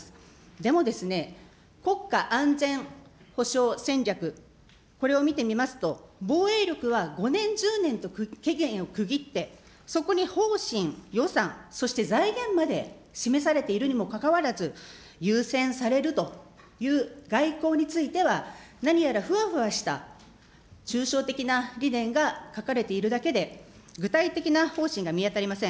でもですね、国家安全保障戦略、これを見てみますと、防衛力は５年、１０年と期限を区切って、そこに方針、予算、そして財源まで示されているにもかかわらず、優先されるという外交については、何やらふわふわした抽象的な理念が書かれているだけで、具体的な方針が見当たりません。